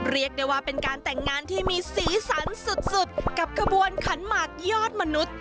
เรียกได้ว่าเป็นการแต่งงานที่มีสีสันสุดกับขบวนขันหมากยอดมนุษย์